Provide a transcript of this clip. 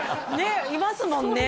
えいますもんね